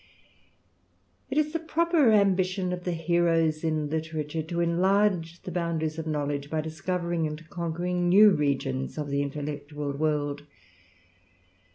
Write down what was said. It is the proper ambition of the heroes in literature to enlarge the boundaries of knowledge by discovering and conquering new regions of the intellectual world.